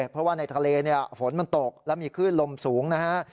เพราะว่าในทะเลเนี่ยฝนมันตกแล้วมีคลื่นลมสูงนะฮะ